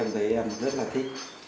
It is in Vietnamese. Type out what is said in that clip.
em thấy em rất là thích